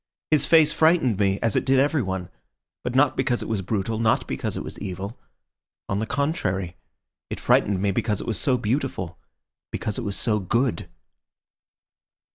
His face frightened me, as it did everyone; but not because it was brutal, not because it was evil. On the contrary, it frightened me because it was so beautiful, because it was so good."